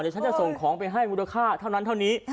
เดี๋ยวฉันจะส่งของไปให้มูลค่าเท่านั้นเท่านี้